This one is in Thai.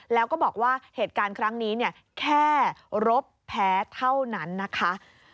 แล้วก็บอกว่าเหตุการณ์ครั้งนี้แค่รบแพ้เท่านั้นนะคะ